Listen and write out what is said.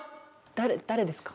誰誰ですか？